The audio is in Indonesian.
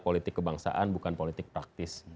politik kebangsaan bukan politik praktis